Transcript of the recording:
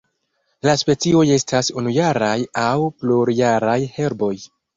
La specioj estas unujaraj aŭ plurjaraj herboj.